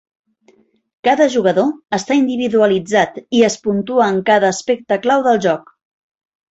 Cada jugador està individualitzat i es puntua en cada aspecte clau del joc.